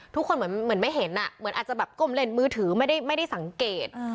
ทุกคนเหมือนไม่เห็นเหมือนอาจจะแบบก้มเล่นมือถือไม่ได้สังเกต